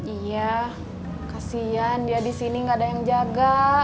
iya kasihan dia di sini enggak ada yang jaga